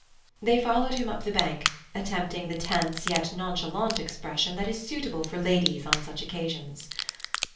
They followed him up the bank attempting the tense yet nonchalant expression that is suitable for ladies on such occasions.